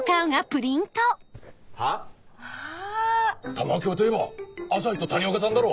玉響といえば朝陽と谷岡さんだろ！